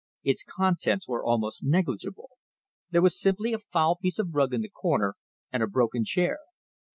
Its contents were almost negligible there was simply a foul piece of rug in the corner, and a broken chair.